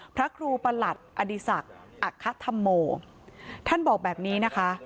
พระครูประหลัดอดีศักดิ์อัคคธธรรมโมท่านบอกแบบนี้นะคะ